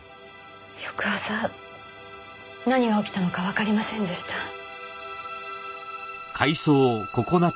翌朝何が起きたのかわかりませんでした。